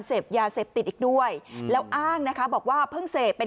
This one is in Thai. เสพยาเสพติดอีกด้วยแล้วอ้างนะคะบอกว่าเพิ่งเสพเป็น